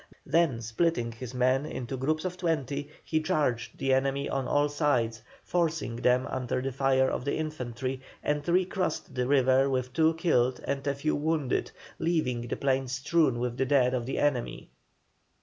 Then splitting his men into groups of twenty, he charged the enemy on all sides, forcing them under the fire of the infantry, and recrossed the river with two killed and a few wounded, leaving the plain strewn with the dead of the enemy.